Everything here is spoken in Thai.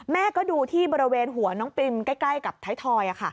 แม่ก็ดูที่บริเวณหัวน้องปริมใกล้กับไทยทอย